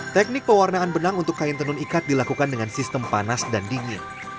teknik pewarnaan benang untuk kain tenun ikat dilakukan dengan sistem panas dan dingin